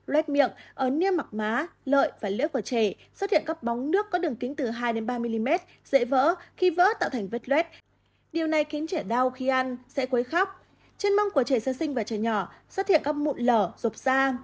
loét miệng ấn niêm mặc má lợi và lưỡi của trẻ xuất hiện các bóng nước có đường kính từ hai đến ba mm dễ vỡ khi vỡ tạo thành vết loét điều này khiến trẻ đau khi ăn dễ quấy khóc trên mông của trẻ sơ sinh và trẻ nhỏ xuất hiện các mụn lở rộp da